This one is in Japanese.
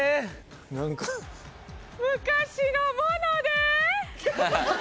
昔のもので？